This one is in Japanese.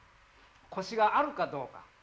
コシがあるかどうか。